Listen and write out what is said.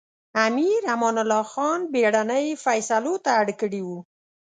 امیر امان الله خان بېړنۍ فېصلو ته اړ کړی و.